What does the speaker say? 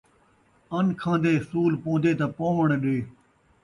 ان کھان٘دیں سول پون٘دے تاں پووݨ ݙے